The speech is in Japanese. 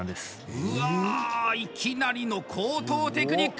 うわいきなりの高等テクニック。